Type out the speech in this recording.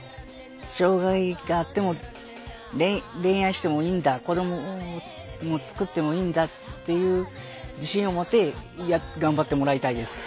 障害があっても恋愛してもいいんだ子どももつくってもいいんだっていう自信を持って頑張ってもらいたいです。